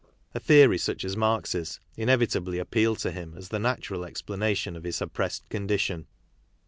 A theory such as Marx's inevitably appealed to him as the natural ex planation of his oppressed condition.